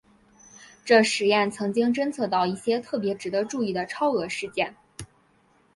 这实验曾经侦测到一些特别值得注意的超额事件。